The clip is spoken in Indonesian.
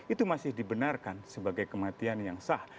itu masih dibenarkan sebagai kematian yang sah